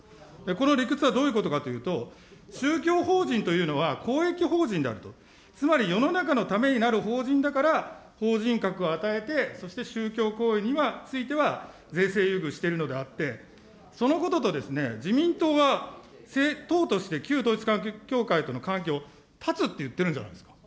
この理屈はどういうことかというと、宗教法人というのは、公益法人であると、つまり世の中のためになる法人だから、法人格を与えて、そして宗教行為については、税制優遇しているのであって、そのことと自民党は党として旧統一教会との関係を断つって言ってるじゃないですか。